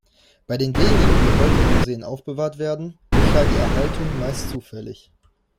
Bei den wenigen, die heute in Museen aufbewahrt werden, geschah die Erhaltung meist zufällig.